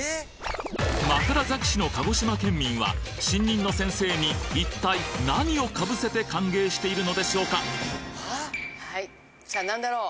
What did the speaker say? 枕崎市の鹿児島県民は新任の先生に一体何をかぶせて歓迎しているさあ、なんだろう？